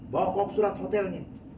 bawa kop surat hotelnya